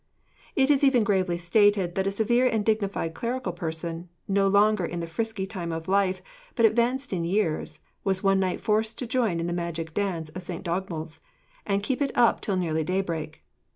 It is even gravely stated that a severe and dignified clerical person, no longer in the frisky time of life, but advanced in years, was one night forced to join in the magic dance of St. Dogmell's, and keep it up till nearly daybreak.